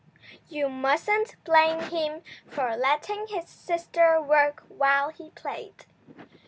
You mustn't blame him for letting his sister work while he played.